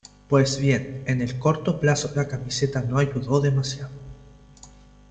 Pues bien, en el corto plazo la camiseta no ayudó demasiado.